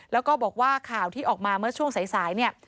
แล้วก็บอกว่าข่าวที่ออกมาเมื่อช่วงสายเนี่ย